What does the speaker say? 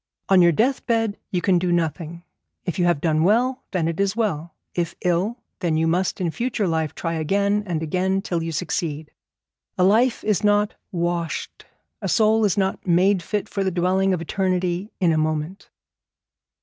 On your death bed you can do nothing. If you have done well, then it is well; if ill, then you must in future life try again and again till you succeed. A life is not washed, a soul is not made fit for the dwelling of eternity, in a moment.